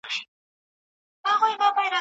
ټولنپوهنه وروسته وده کوي.